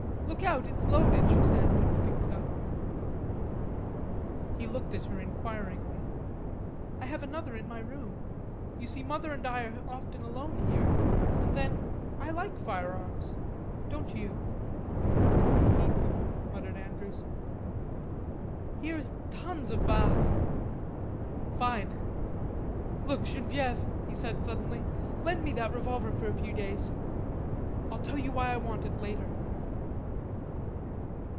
"Look out, it's loaded," she said, when he picked it up. He looked at her inquiringly. "I have another in my room. You see Mother and I are often alone here, and then, I like firearms. Don't you?" "I hate them," muttered Andrews. "Here's tons of Bach." "Fine.... Look, Genevieve," he said suddenly, "lend me that revolver for a few days. I'll tell you why I want it later."